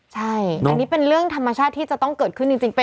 ใช่อันนี้เป็นเรื่องธรรมชาติที่จะต้องเกิดขึ้นจริง